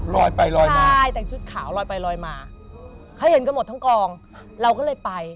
ลอยไปลอยมาใช่แต่งชุดขาวลอยไปลอยมาเขาเห็นกันหมดทั้งกองเราก็เลยไป